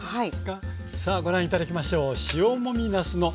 さあご覧頂きましょう。